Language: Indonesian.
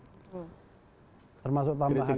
termasuk tambahannya pak